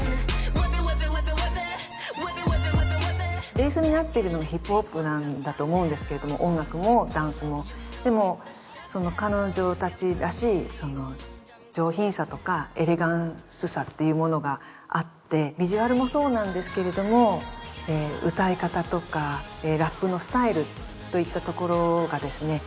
ベースになってるのはヒップホップなんだと思うんですけども音楽もダンスもでも彼女達らしいその上品さとかエレガンスさっていうものがあってビジュアルもそうなんですけれども歌い方とかラップのスタイルといったところがですね